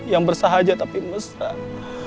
yang bersahaja tapi besar